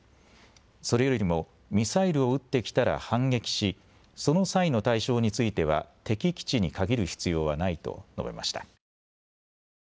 それよりもミサイルを撃ってきたら反撃し、その際の対象については敵基地に限る必要はないと述べました。